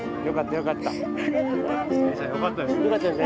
・よかったですね。